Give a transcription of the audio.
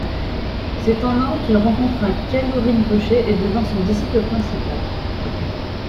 C'est en Inde qu'il rencontra Kalou Rinpoché et devint son disciple principal.